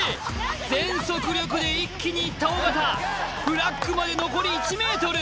全速力で一気にいった尾形フラッグまで残り１ｍ